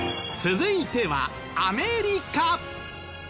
続いてはアメリカ。